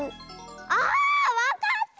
あわかった！